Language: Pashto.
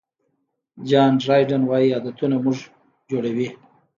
جان ډرایډن وایي عادتونه موږ جوړوي.